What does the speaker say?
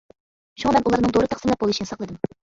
شۇڭا مەن ئۇلارنىڭ دورا تەقسىملەپ بولۇشنى ساقلىدىم.